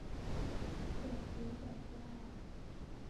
จัดซื้อจัดจ้าง